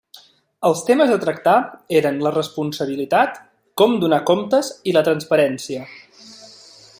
Els temes a tractar eren la responsabilitat, com donar comptes i la transparència.